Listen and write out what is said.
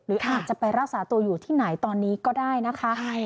อาจจะไปรักษาตัวอยู่ที่ไหนตอนนี้ก็ได้นะคะ